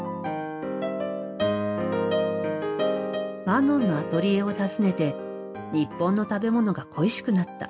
マノンのアトリエを訪ねて日本の食べ物が恋しくなった。